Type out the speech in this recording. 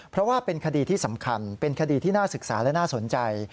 เพราะว่าเป็นคดีที่สำคัญเป็นคดีที่น่าศึกษาและน่าสนใจ